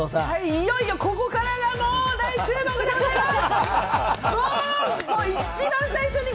いよいよ、ここからが大注目でございます！